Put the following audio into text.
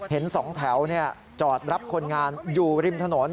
สองแถวจอดรับคนงานอยู่ริมถนน